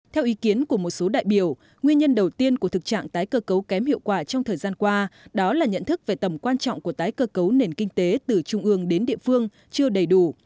theo ý kiến của một số đại biểu nguyên nhân đầu tiên của thực trạng tái cơ cấu kém hiệu quả trong thời gian qua đó là nhận thức về tầm quan trọng của tái cơ cấu nền kinh tế từ trung ương đến địa phương chưa đầy đủ